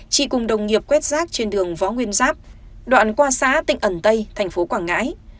chị cùng đồng nghiệp quét rác trên đường võ nguyên giáp đoạn qua xã tỉnh ẩn tây thành phố quảng ngãi